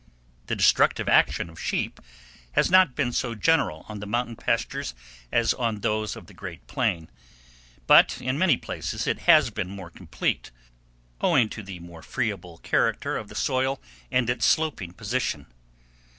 The destructive action of sheep has not been so general on the mountain pastures as on those of the great plain, but in many places it has been more complete, owing to the more friable character of the soil, and its sloping position.